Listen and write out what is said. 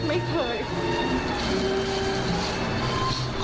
ไม่เคย